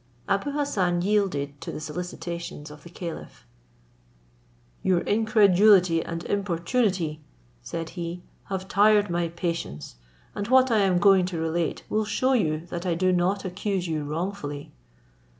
Abou Hassan yielded to the solicitations of the caliph. "Your incredulity and importunity," said he, "have tired my patience; and what I am going to relate will shew you that I do not accuse you wrongfully."